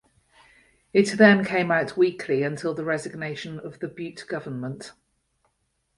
It then came out weekly until the resignation of the Bute government.